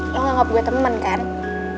lo gak nganggep gue temen kan